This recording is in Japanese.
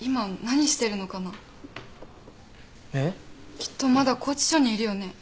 きっとまだ拘置所にいるよね。